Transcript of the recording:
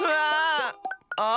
あ！